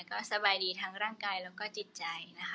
ก็สบายดีทั้งร่างกายแล้วก็จิตใจนะคะ